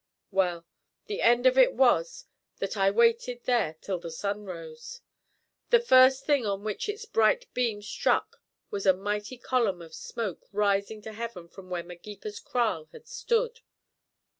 Well, the end of it was that I waited there till the sun rose. The first thing on which its bright beams struck was a mighty column of smoke rising to heaven from where Magepa's kraal had stood!